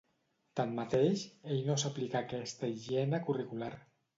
Tanmateix, ell no s’aplica aquesta higiene curricular.